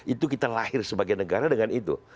itu kita lahir sebagai negara dengan itu